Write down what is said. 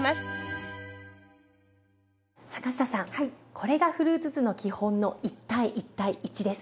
これがフルーツ酢の基本の１：１：１です。